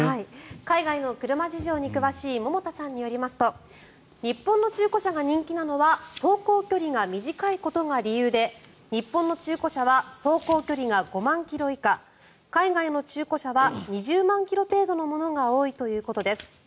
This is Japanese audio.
海外の車事情に詳しい桃田さんによりますと日本の中古車が人気なのは走行距離が短いことが理由で日本の中古車は走行距離が５万キロ以下海外の中古車は２０万ｋｍ程度のものが多いということです。